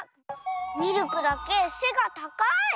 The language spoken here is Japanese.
ミルクだけせがたかい！